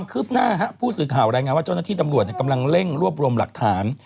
คืบหน้าผู้สื่อข่าวรายงานว่าเจ้าหน้าที่ตำรวจกำลังเร่งรวบรวมหลักฐาน